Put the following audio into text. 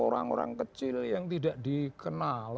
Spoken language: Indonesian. orang orang kecil yang tidak dikenal